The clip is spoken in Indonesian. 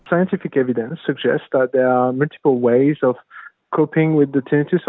tinnitus atau mengurus tinnitus